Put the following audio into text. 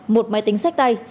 một máy tính sách tay